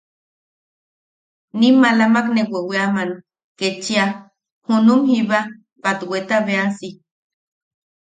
Nim maalamak ne weweaman ketchia junum jiba batwetabeasi.